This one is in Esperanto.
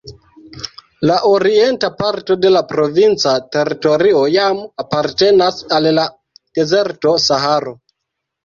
La orienta parto de la provinca teritorio jam apartenas al la dezerto Saharo.